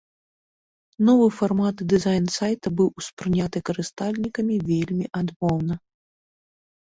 Новы фармат і дызайн сайта быў успрыняты карыстальнікамі вельмі адмоўна.